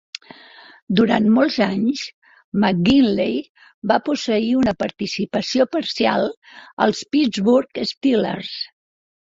Durant molts anys, McGinley va posseir una participació parcial als Pittsburght Steelers.